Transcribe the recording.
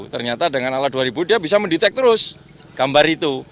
ternyata dengan alat dua ribu dia bisa mendetek terus gambar itu